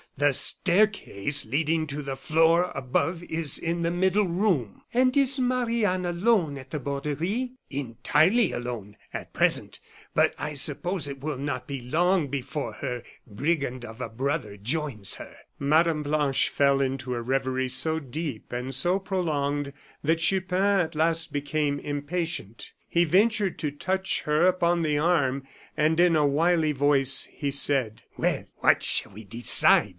The staircase leading to the floor above is in the middle room." "And is Marie Anne alone at the Borderie?" "Entirely alone at present; but I suppose it will not be long before her brigand of a brother joins her." Mme. Blanche fell into a revery so deep and so prolonged that Chupin at last became impatient. He ventured to touch her upon the arm, and, in a wily voice, he said: "Well, what shall we decide?"